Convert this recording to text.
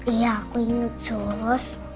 iya aku inget sus